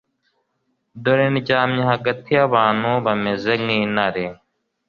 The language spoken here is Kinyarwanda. dore ndyamye hagati y'abantu bameze nk'intare